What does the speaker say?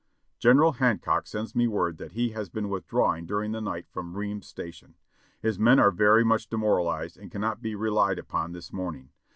"General Hancock sends me word that he has been withdraw ing during the night from Ream's Station. His men are very much demoralized and cannot be relied upon this morning.